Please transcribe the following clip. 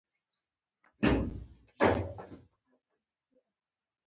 پر دویمه یې جمعه وه ارغنداو ته لاړم.